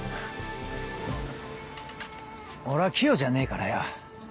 俺は器用じゃねえからよ。